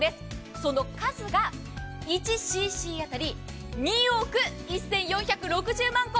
その数が１ｃｃあたり２億１４６０万個。